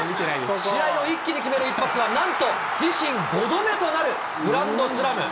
試合を一気に決める一発は、自身５度目となるグランドスラム。